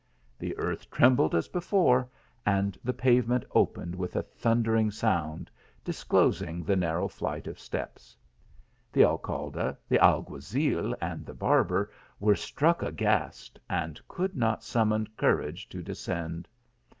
The earth trembled as before, and the pavement opened with a thundering sound, disclosing the narrow flight of steps. The Alcalde, the alguazil, and the barber were struck aghast, and could not summon courage to descend.